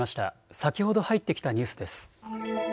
先ほど入ってきたニュースです。